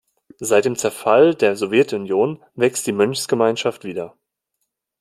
Seit dem Zerfall der Sowjetunion wächst die Mönchsgemeinschaft wieder.